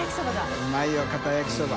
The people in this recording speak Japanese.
うまいよかた焼きそば。